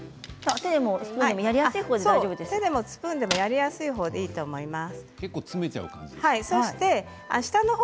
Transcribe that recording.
手でもスプーンでもやりやすい方でいいと思います。